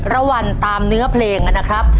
ระวังตามเนื้อเพลงนะครับ